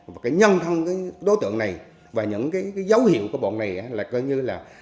và cái nhân thân cái đối tượng này và những cái dấu hiệu của bọn này là coi như là